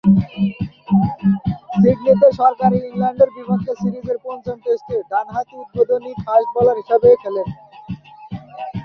সিডনিতে সফরকারী ইংল্যান্ডের বিপক্ষে সিরিজের পঞ্চম টেস্টে ডানহাতি উদ্বোধনী ফাস্ট বোলার হিসেবে খেলেন।